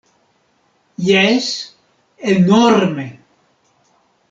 Jes, enorme!